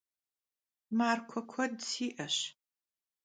Markue kued şı'eş.